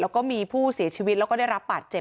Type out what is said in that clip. แล้วก็มีผู้เสียชีวิตแล้วก็ได้รับบาดเจ็บ